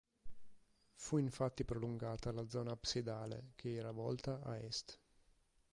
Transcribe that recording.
Fu infatti prolungata la zona absidale che era volta a est.